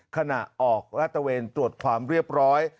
ขณะออกละเตอร์เวรตรวจความเรียบร้อย